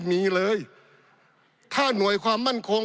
ปี๑เกณฑ์ทหารแสน๒